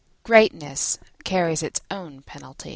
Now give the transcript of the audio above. Greatness carries its own penalties.